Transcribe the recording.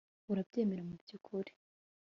Urabyemera mubyukuri